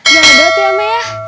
jadat ya meah